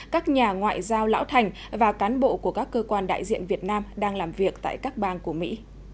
các nhà ngoại giao lão thành và cán bộ của các cơ quan đại diện việt nam đang làm việc tại các bang của mỹ